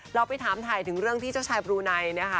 เราไปถามไทยถึงเรื่องที่เจ้าชายปรุนายแทน